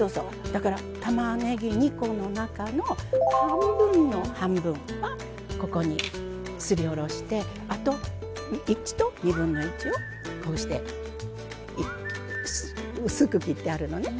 だから、たまねぎに半分の半分はここにすり下ろしてあと、１と２分の１を、こうして薄く切ってあるのね。